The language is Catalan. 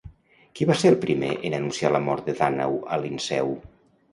Qui va ser el primer en anunciar la mort de Dànau a Linceu?